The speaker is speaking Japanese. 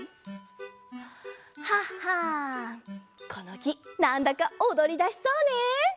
ハハンこのきなんだかおどりだしそうね。